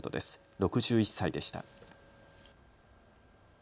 ６１歳でした。